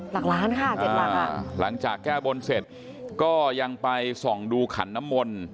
หลักล้านค่ะ๗ล้านอ่ะหลังจากแก้บนเสร็จก็ยังไปส่องดูขันน้ำมนต์